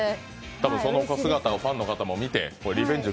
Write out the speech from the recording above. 多分その姿をファンの方が見てチャンスを